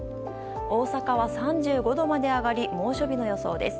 大阪は３５度まで上がり、猛暑日の予想です。